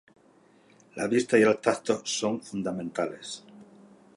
La vista y el tacto son fundamentales.